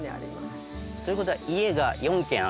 という事は家が４軒ある？